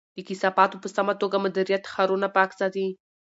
د کثافاتو په سمه توګه مدیریت ښارونه پاک ساتي.